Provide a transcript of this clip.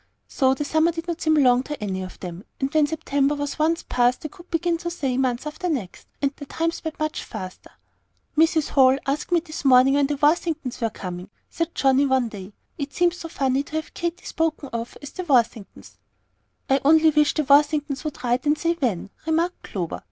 So the summer did not seem long to any of them; and when September was once past, and they could begin to say, "month after next," the time sped much faster. "Mrs. Hall asked me this morning when the Worthingtons were coming," said Johnnie, one day. "It seems so funny to have Katy spoken of as 'the Worthingtons.'" "I only wish the Worthingtons would write and say when," remarked Clover.